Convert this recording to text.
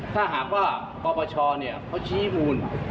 ถ้าหากว่าประชาเนี่ยเขาชี้มูล